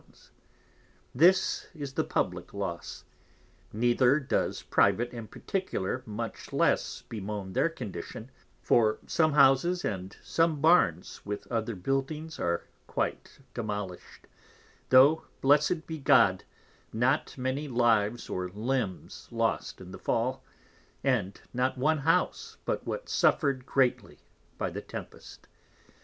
_ This is the publick loss; neither does private and particular much less bemoan their Condition, for some Houses, and some Barns, with other Buildings, are quite demolished; tho' Blessed be God, not many Lives or Limbs lost in the fall, and not one House, but what suffered greatly by the Tempest.